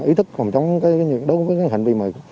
và ý thức còn chống cái hành vi này